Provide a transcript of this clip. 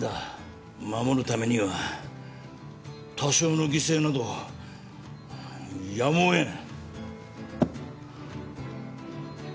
守るためには多少の犠牲などやむを得ん。